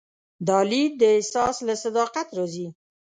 دا لید د احساس له صداقت راځي.